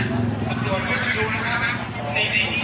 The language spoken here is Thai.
เห็นว่ามีการพยายามที่จะเก็บรั้วรวดน้ำอยู่นะครับของทางเจ้าหน้าที่